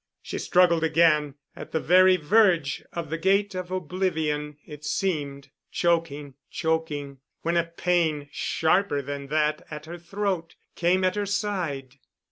She struggled again at the very verge of the gate of oblivion it seemed, choking—choking, when a pain sharper than that at her throat came at her side.